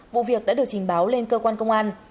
vụ việc đã được trình báo lên cơ quan công an